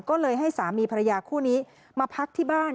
ก็เลยให้สามีภรรยาคู่นี้มาพักที่บ้าน